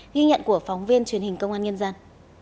ghi nhận của phóng viên truyền hình công an nhân dân